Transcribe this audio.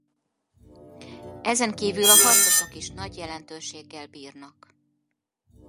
Ezen kívül a harcosok is nagy jelentőséggel bírnak.